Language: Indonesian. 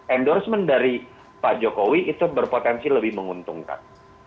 endorsement dari pak jokowi itu berpotensi lebih menguntungkan